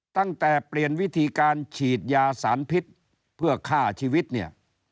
ตั้งแต่เปลี่ยนวิธีการฉีดยาสารพิษเพื่อฆ่าชีวิตเนี่ย